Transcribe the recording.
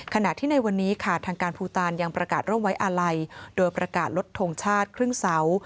ขณะที่ในวันนี้ค่ะทางการภูตานยังประกาศร่วมไว้อาลัยโดยประกาศลดทงชาติครึ่งเสา